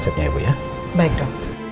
sampai jumpa lagi